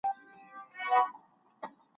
پخوانیو ولسمشرانو ته درناوی کیده.